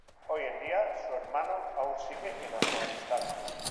Hoy en día su hermano aún sigue en Afganistán.